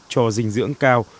cho dinh dưỡng cao